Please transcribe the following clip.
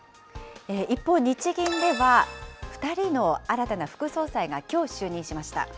一方、日銀では、２人の新たな副総裁がきょう就任しました。